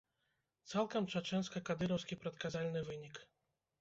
Цалкам чачэнска-кадыраўскі прадказальны вынік.